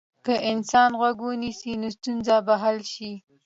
که انسان غوږ ونیسي، نو ستونزه به حل شي.